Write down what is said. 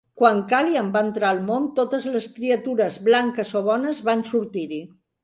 Quan Kaliyan va entrar al món, totes les criatures blanques o bones van sortir-hi.